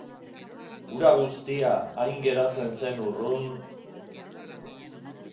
Hura guztia hain geratzen zen urrun...